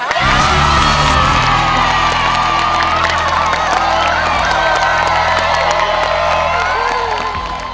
ถูกครับ